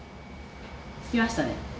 すきましたね。